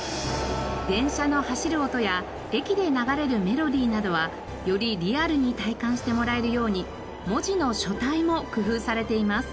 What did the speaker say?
電車の走る音や駅で流れるメロディーなどはよりリアルに体感してもらえるように文字の書体も工夫されています。